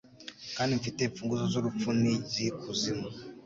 kandi mfite imfunguzo z'urupfu n'iz'ikuzimu